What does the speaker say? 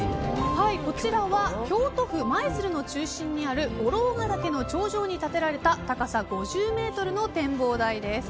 こちらは京都府舞鶴の中心にある五老岳の頂上に建てられた高さ５０ｍの展望台です。